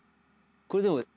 これでも。